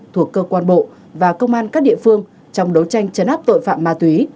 thuộc cơ quan bộ và công an các địa phương trong đấu tranh chấn áp tội phạm ma túy